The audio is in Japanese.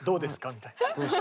みたいな。